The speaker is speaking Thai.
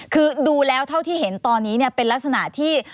คือดูแล้วเท่าที่เห็นตอนนี้เป็นลักษณะที่